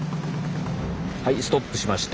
はいストップしました。